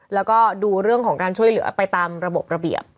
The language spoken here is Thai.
แล้วก็ดูเรื่องของการช่วยเหลือไปตามระบบระเบียบ